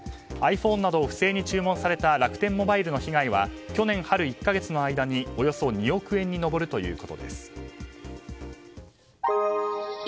ｉＰｈｏｎｅなどを不正に注文された楽天モバイルの被害は去年春１か月の間に、およそ２億円に上るということです。